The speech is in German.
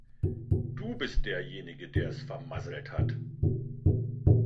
Du bist derjenige, der es vermasselt hat.